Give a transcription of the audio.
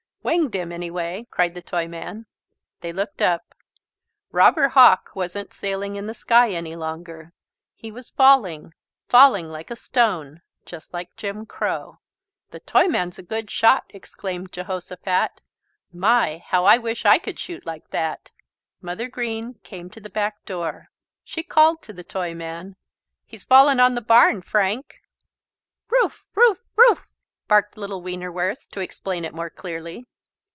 "Winged him, anyway!" cried the Toyman. They looked up. Robber Hawk wasn't sailing in the sky any longer. He was falling, falling, like a stone just like Jim Crow. "The Toyman's a good shot," exclaimed Jehosophat. "My, how I wish I could shoot like that!" Mother Green came to the back door. She called to the Toyman: "He's fallen on the barn, Frank." "Roof, roof, roof!" barked little Wienerwurst to explain it more clearly.